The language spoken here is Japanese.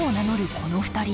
この２人。